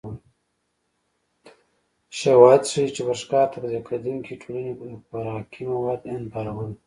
شواهد ښيي چې پر ښکار تغذیه کېدونکې ټولنې خوراکي مواد انبارول